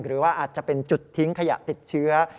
หรือว่าอาจจะเป็นจุดทิ้งขยะติดเชื้อ